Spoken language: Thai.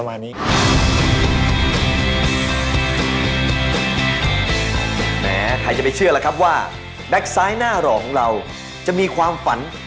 แม่ใครจะไปเชื่อละครับว่า